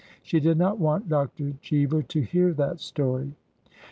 She did not want Dr. Cheever to hear that story.